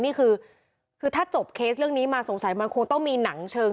นี่คือคือถ้าจบเคสเรื่องนี้มาสงสัยมันคงต้องมีหนังเชิง